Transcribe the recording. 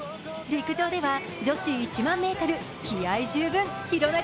陸上では女子１００００ｍ、気合い十分廣中璃